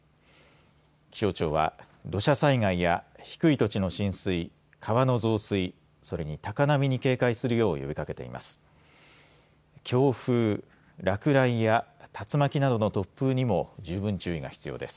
気象庁は土砂災害や低い土地の浸水、川の増水それに高波に警戒するよう呼びかけています。